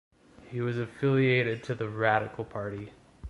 He was affiliated to the Radical Party.